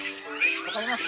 わかります？